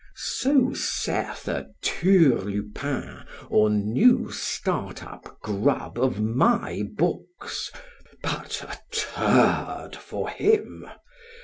So saith a turlupin or a new start up grub of my books, but a turd for him.